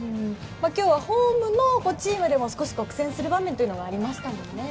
今日はホームのチームでも少し苦戦する場面がありましたのでね。